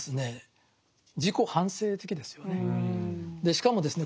しかもですね